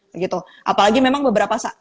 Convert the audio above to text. begitu apalagi memang beberapa